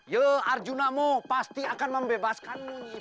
ya arjuna mu pasti akan membebaskanmu nyiipa